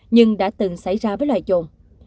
nhưng đã từng xảy ra với loài trộn